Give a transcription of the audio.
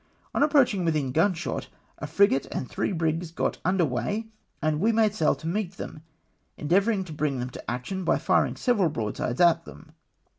On ap proaching within gunshot, a frigate and three brigs got under weigh, and we made sail to meet them, endeavour ing to bring them to action by firing several broadsides at them.